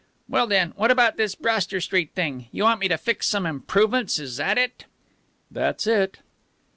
"Well, then, what about this Broster Street thing? You want me to fix some improvements, is that it?" "That's it."